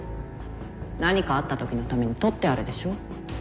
何かあったときのために撮ってあるでしょ？